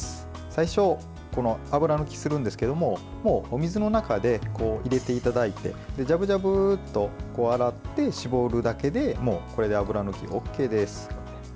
最初、油抜きするんですけどもう、お水の中に入れていただいてジャブジャブと洗って絞るだけでこれで油抜きＯＫです。